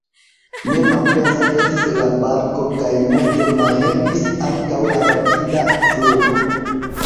Ne malpeza estis la barko kaj multe malhelpis ankaŭ la rapida fluo.